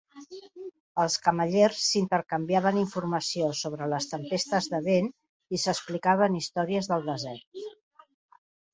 els camellers s'intercanviaven informació sobre les tempestes de vent i s'explicaven històries del desert.